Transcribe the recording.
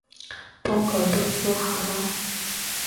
幫佢冰敷下啦